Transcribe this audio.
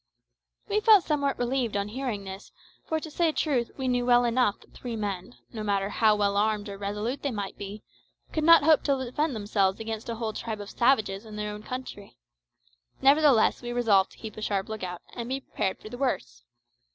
We felt somewhat relieved on hearing this, for, to say truth, we knew well enough that three men, no matter how well armed or resolute they might be, could not hope to defend themselves against a whole tribe of savages in their own country. Nevertheless we resolved to keep a sharp lookout, and be prepared for the worst.